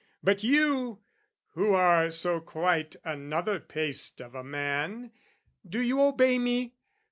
"But you, who are so quite another paste "Of a man, do you obey me?